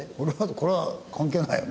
これは関係ないよね？